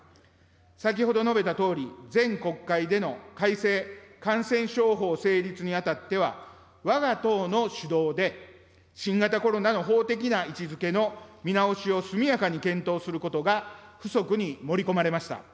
先ほど述べたとおり、前国会での改正感染症法成立にあたっては、わが党の主導で新型コロナの法的な位置づけの見直しを速やかに検討することが付則に盛り込まれました。